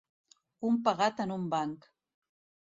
Un pegat en un banc.